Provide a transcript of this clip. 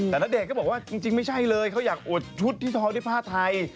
แต่ณเดชน์ก็บอกว่าจริงไม่ใช่เลยเขาอยากอวดชุดที่ท้องด้วยผ้าไทย